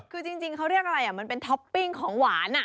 คือจริงเขาเรียกอะไรมันเป็นท็อปปิ้งของหวาน